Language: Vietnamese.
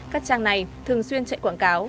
các trang này thường xuyên chạy quảng cáo